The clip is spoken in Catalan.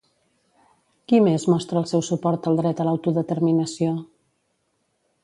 Qui més mostra el seu suport al dret a l'autodeterminació?